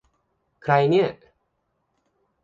ใครเนี่ย !